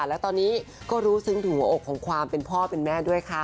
และตอนนี้ก็รู้ซึ้งถึงหัวอกของความเป็นพ่อเป็นแม่ด้วยค่ะ